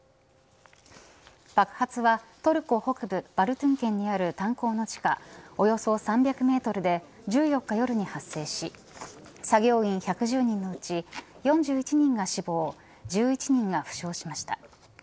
爆発はトルコ北部バルトゥン県にある炭坑の地下およそ３００メートルで１４日夜に発生し作業員１１０人のうち４１人が死亡１１人が負傷しました。